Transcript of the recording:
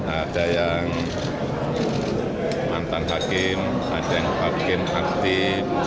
ada yang mantan hakim ada yang hakim aktif